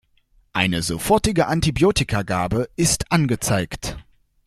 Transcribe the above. Eine sofortige Antibiotikagabe ist angezeigt!